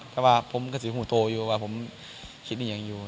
แต่ว่าผมก็จะอยู่ที่อายุโตอยู่